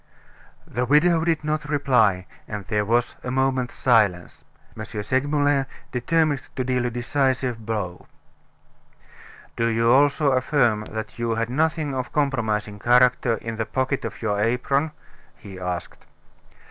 The widow did not reply, and there was a moment's silence. M. Segmuller determined to deal a decisive blow. "Do you also affirm that you had nothing of a compromising character in the pocket of your apron?" he asked.